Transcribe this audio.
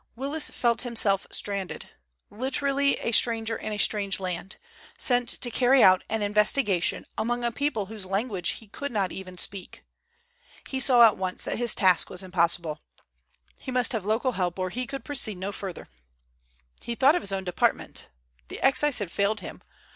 Willis felt himself stranded, literally a stranger in a strange land, sent to carry out an investigation among a people whose language he could not even speak! He saw at once that his task was impossible. He must have local help or he could proceed no further. He thought of his own department. The Excise had failed him.